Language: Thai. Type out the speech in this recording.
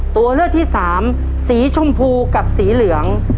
ตัวเลือกที่สามสีชมพูกับสีเหลือง